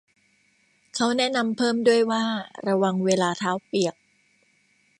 เค้าแนะนำเพิ่มด้วยว่า ระวังเวลาเท้าเปียก